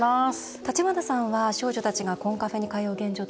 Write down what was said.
橘さんは少女たちがコンカフェに通う現状